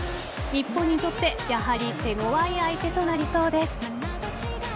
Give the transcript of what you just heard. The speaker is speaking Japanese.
日本にとってやはり手ごわい相手となりそうです。